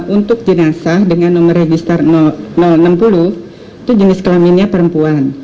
untuk jenazah dengan nomor register enam puluh itu jenis kelaminnya perempuan